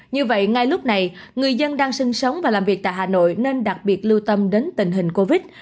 như vậy ngay lúc này người dân đang sinh sống và làm việc tại hà nội nên đặc biệt lưu tâm đến tình hình covid